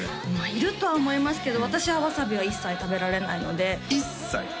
いるとは思いますけど私はわさびは一切食べられないので一切？